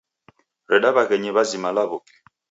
Reda w'aghenyi w'azima law'uke.